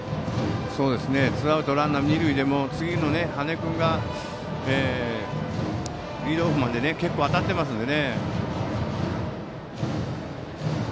ツーアウトランナー、二塁でも次の羽根君がリードオフマンで結構当たっているので。